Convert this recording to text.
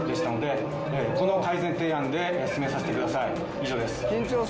以上です。